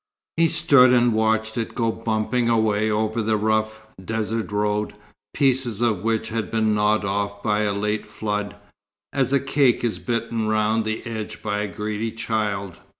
He stood and watched it go bumping away over the rough, desert road, pieces of which had been gnawed off by a late flood, as a cake is bitten round the edge by a greedy child.